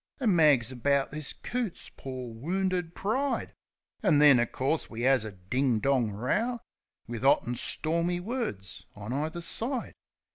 An' mags about this coot's pore, "wounded pride." An' then, o' course, we 'as a ding dong row, Wiv 'ot an' stormy words on either side.